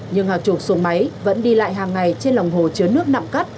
nhưng học trục xuồng máy vẫn đi lại hàng ngày trên lòng hồ chứa nước nặm cắt